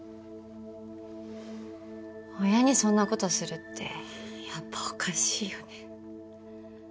親にそんな事するってやっぱおかしいよね。